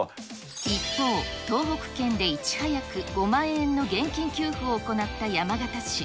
一方、東北圏でいち早く５万円の現金給付を行った山形市。